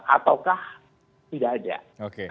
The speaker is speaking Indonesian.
ataukah tidak ada